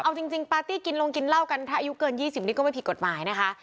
เอาจริงปาร์ตี้กินลงกินเหล้ากันถ้าอายุเกิน๒๐นี่ก็ไม่ผิดกฎหมายนะคะ